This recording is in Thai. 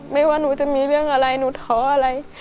ไม่ว่าหนูจะมีเรื่องอะไรหนูขออะไร